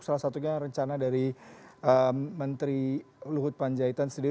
salah satunya rencana dari menteri luhut panjaitan sendiri